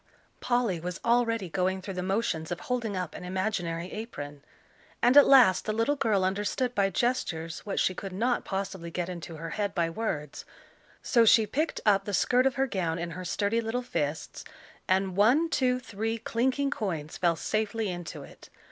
Polly was already going through the motions of holding up an imaginary apron. And at last the little girl understood by gestures what she could not possibly get into her head by words, so she picked up the skirt of her gown in her sturdy little fists, and one, two, three clinking coins fell safely into it.